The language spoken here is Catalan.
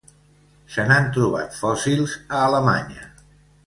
Se n'han trobat fòssils a Alemanya.